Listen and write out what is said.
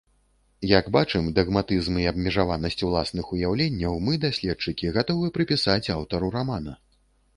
Як бачым, дагматызм і абмежаванасць уласных уяўленняў мы, даследчыкі, гатовы прыпісаць аўтару рамана.